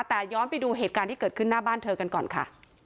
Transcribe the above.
แต่ย้อนไปดูเหตุการณ์ที่เกิดขึ้นหน้าบ้านเธอกันก่อนค่ะ